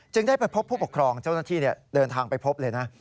ได้ไปพบผู้ปกครองเจ้าหน้าที่เดินทางไปพบเลยนะ